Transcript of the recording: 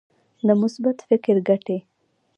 د مثبت فکر ګټې.